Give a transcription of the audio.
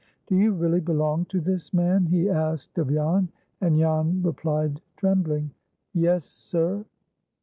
"Do you really belong to this man?" he asked of Jan, and Jan replied, trembling, "Yes, sir."